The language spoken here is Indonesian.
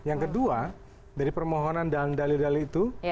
yang kedua dari permohonan dan dalil dalil itu